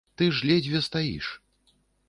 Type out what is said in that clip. Ты ж ледзьве стаіш.